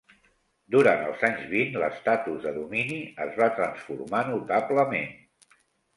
Durant els anys vint, l'estatus de domini es va transformar notablement.